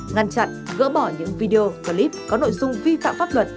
ngăn chặn gỡ bỏ những video clip có nội dung vi phạm pháp luật